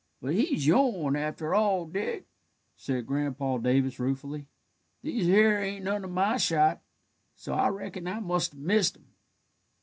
"But he's yourn, after all, Dick," said Grandpa Davis ruefully. "These here ain't none of my shot, so I reckon I must have missed him."